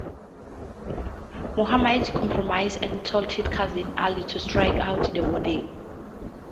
Muhammad compromised, and told his cousin Ali to strike out the wording.